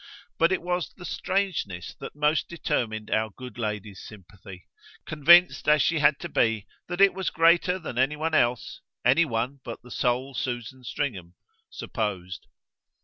But it was the strangeness that most determined our good lady's sympathy, convinced as she had to be that it was greater than any one else any one but the sole Susan Stringham supposed.